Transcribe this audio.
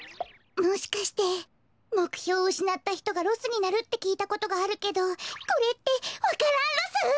もしかしてもくひょううしなったひとがロスになるってきいたことがあるけどこれってわか蘭ロス？